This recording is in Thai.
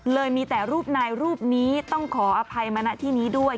เลยมีแต่รูปนายรูปนี้ต้องขออภัยมาณที่นี้ด้วย